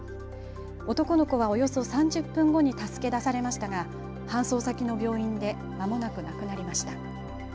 男の子はおよそ３０分後に助け出されましたが搬送先の病院でまもなく亡くなりました。